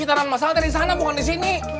kita ranma sangat dari sana bukan di sini